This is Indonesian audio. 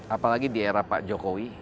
apalagi di era pak jokowi